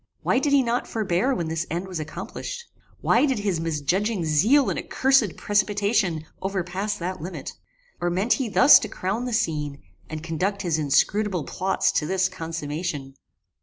Why did he not forbear when this end was accomplished? Why did his misjudging zeal and accursed precipitation overpass that limit? Or meant he thus to crown the scene, and conduct his inscrutable plots to this consummation?